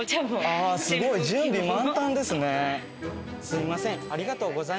すみません。